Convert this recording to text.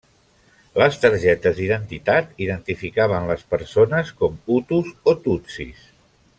Les targetes d'identitat identificaven les persones com hutus o tutsis.